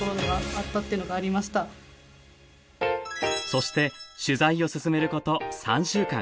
そして取材を進めること３週間。